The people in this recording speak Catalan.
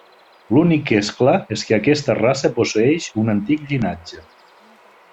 L'únic que és clar és que aquesta raça posseeix un antic llinatge.